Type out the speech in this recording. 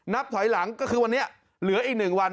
นับถอยหลังก็คือวันนี้เหลืออีก๑วัน